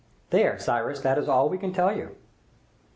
There, Cyrus, that is all we can tell you!"